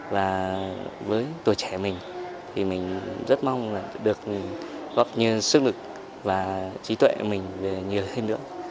và với tuổi trẻ mình thì mình rất mong được góp nhiều sức lực và trí tuệ mình về nhiều thêm nữa